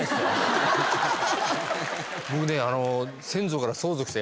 僕ね。